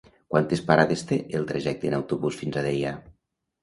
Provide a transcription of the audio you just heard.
Quantes parades té el trajecte en autobús fins a Deià?